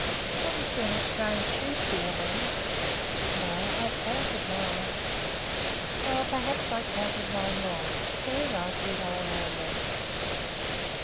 "You haven't a strange sheep here, have you?" "No; I have counted mine." "Well, perhaps I counted mine wrong. Very likely they are all there."